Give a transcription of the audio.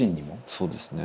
そうですね。